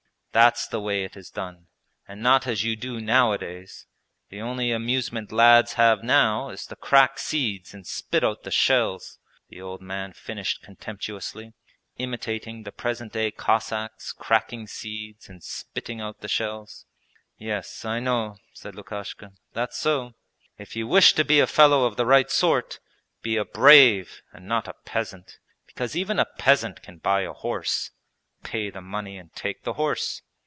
That's the way it is done, and not as you do nowadays: the only amusement lads have now is to crack seeds and spit out the shells!' the old man finished contemptuously, imitating the present day Cossacks cracking seeds and spitting out the shells. 'Yes, I know,' said Lukashka; 'that's so!' 'If you wish to be a fellow of the right sort, be a brave and not a peasant! Because even a peasant can buy a horse pay the money and take the horse.'